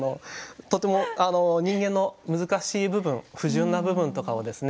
とても人間の難しい部分不純な部分とかをですね